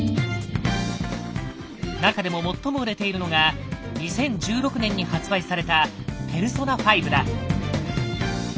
中でも最も売れているのが２０１６年に発売された「ペルソナ５」だ。